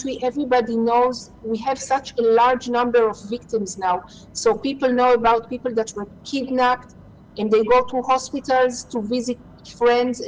อยู่แต่ชีวิตยังไม่รับคุณสมบูรณ์